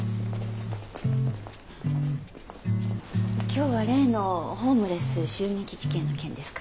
今日は例のホームレス襲撃事件の件ですか？